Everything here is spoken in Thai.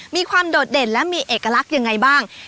โดดเด่นและมีเอกลักษณ์ยังไงบ้าง